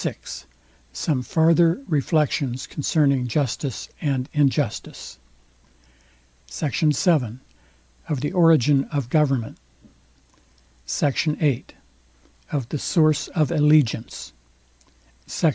VI SOME FARTHER REFLECTIONS CONCERNING JUSTICE AND INJUSTICE SECT. VII OF THE ORIGIN OF GOVERNMENT SECT. VIII OF THE SOURCE OF ALLEGIANCE SECT.